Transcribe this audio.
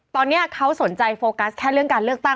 ตอนนี้เขาสนใจโฟกัสแค่เรื่องการเลือกตั้ง